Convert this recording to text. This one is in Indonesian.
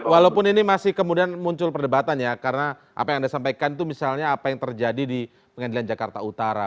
walaupun ini masih kemudian muncul perdebatan ya karena apa yang anda sampaikan itu misalnya apa yang terjadi di pengadilan jakarta utara